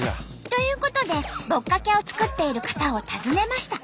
ということでぼっかけを作っている方を訪ねました。